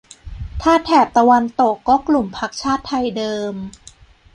ถ้าแถบตะวันตกก็กลุ่มพรรคชาติไทยเดิม